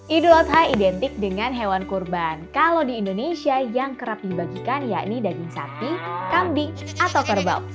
idul adha identik dengan hewan kurban kalau di indonesia yang kerap dibagikan yakni daging sapi kambing atau kerbau